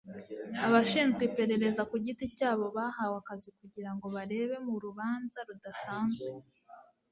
abashinzwe iperereza ku giti cyabo bahawe akazi kugira ngo barebe mu rubanza rudasanzwe